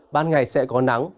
ban ngày sẽ có nắng